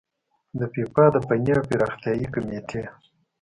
د فیفا د فني او پراختیايي کميټې